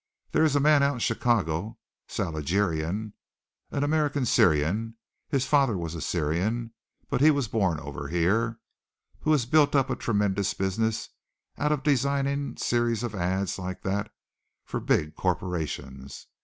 There is a man out in Chicago, Saljerian, an American Syrian his father was a Syrian, but he was born over here who has built up a tremendous business out of designing series of ads like that for big corporations.